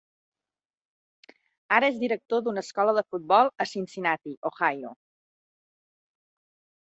Ara és director d'una escola de futbol a Cincinnati, Ohio.